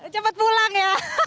cepat pulang ya